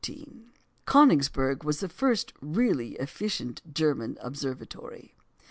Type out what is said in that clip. Königsberg was the first really efficient German observatory.